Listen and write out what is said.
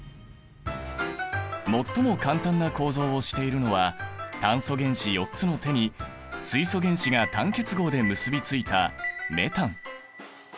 最も簡単な構造をしているのは炭素原子４つの手に水素原子が単結合で結び付いたメタン。